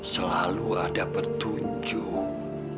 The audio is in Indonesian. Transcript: selalu ada petunjuk